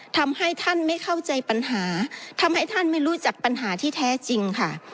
ทำให้ท่านไม่เข้าใจปัญหาทำให้ท่านไม่รู้จักปัญหาที่แท้จริงค่ะ